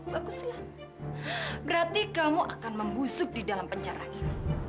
baguslah berarti kamu akan membusuk di dalam penjara ini